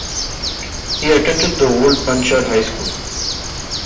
He attended the old Punchard High School.